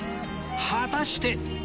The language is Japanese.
果たして？